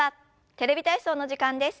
「テレビ体操」の時間です。